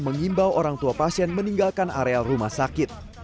mengimbau orang tua pasien meninggalkan areal rumah sakit